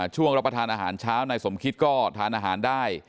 รับประทานอาหารเช้านายสมคิดก็ทานอาหารได้